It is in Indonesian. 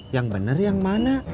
yang bener yang mana